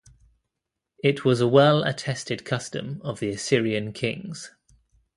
It was a well-attested custom of the Assyrian kings.